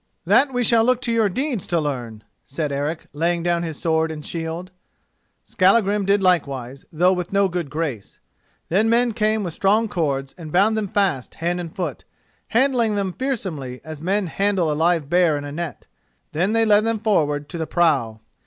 "That we shall look to your deeds to learn," said Eric, laying down his sword and shield. Skallagrim did likewise, though with no good grace. Then men came with strong cords and bound them fast hand and foot, handling them fearsomely as men handle a live bear in a net. Then they led them forward to the prow.